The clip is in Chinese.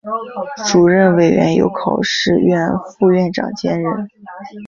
主任委员由考试院副院长兼任。